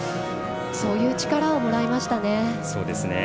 そういう力をもらいましたね。